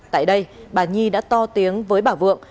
tại đây bà nhi đã to tiếng với bà vượng